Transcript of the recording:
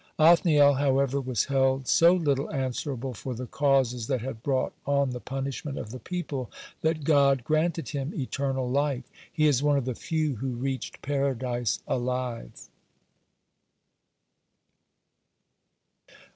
(29) Othniel, however, was held so little answerable for the causes that had brought on the punishment of the people, that God granted him eternal life; he is one of the few who reached Paradise alive.